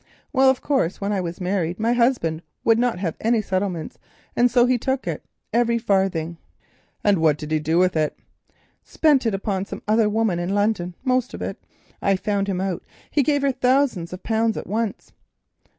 Well, of course, when I married, my husband would not have any settlements, and so he took it, every farthing." "And what did he do with it?" "Spent it upon some other woman in London—most of it. I found him out; he gave her thousands of pounds at once."